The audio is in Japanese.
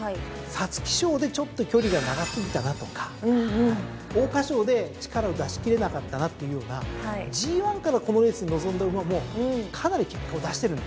皐月賞でちょっと距離が長過ぎたなとか桜花賞で力を出し切れなかったなっていうようなＧⅠからこのレースに臨んだ馬もかなり結果を出してるんですよね。